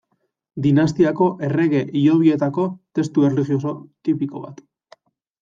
Dinastiako errege hilobietako testu erlijioso tipiko bat.